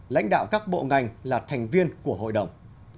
lãnh đạo các bộ ngành là thành viên của hội đồng